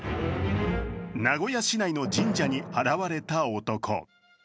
名古屋市内の神社に現れた男。